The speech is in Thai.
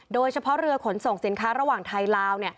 โดยเฉพาะเรือขนส่งสินค้าระหว่างไทยลาว